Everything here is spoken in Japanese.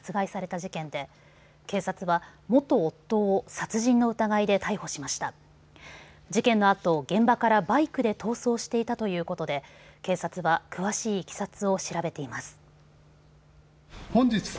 事件のあと現場からバイクで逃走していたということで警察は詳しいいきさつを調べています。